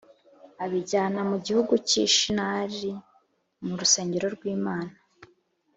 abijyana mu gihugu cy’i Shinari mu rusengero rw’imana